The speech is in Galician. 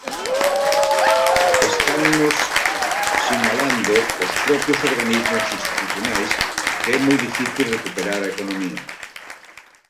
Estannos sinalando os propios organismos institucionais que é moi difícil recuperar a economía.